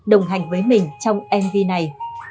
đồng hành với mình trong mv này